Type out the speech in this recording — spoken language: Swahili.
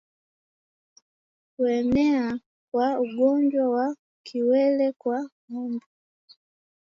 Kuenea kwa ugonjwa wa kiwele kwa ngombe